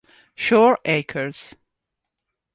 Shore Acres